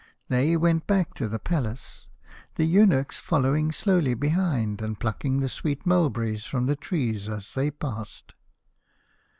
They went back to the palace, the eunuchs following slowly behind and plucking the sweet mul berries from the trees as they passed.